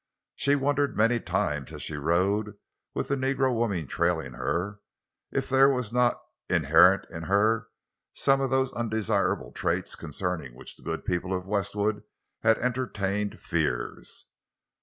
She wondered many times, as she rode, with the negro woman trailing her, if there was not inherent in her some of those undesirable traits concerning which the good people of Westwood had entertained fears.